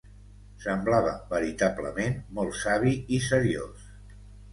Semblava veritablement molt savi i seriós.